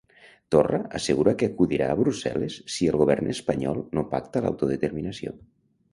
Torra assegura que acudirà a Brussel·les si el govern espanyol no pacta l'autodeterminació.